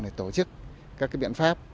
để tổ chức các cái biện pháp